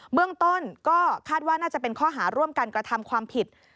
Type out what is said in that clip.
เบื้องต้นก็คาดว่าน่าจะเป็นข้อหาร่วมกันกระทำความผิด